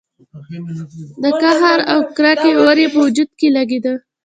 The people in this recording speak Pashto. د قهر او کرکې اور يې په وجود کې لګېده.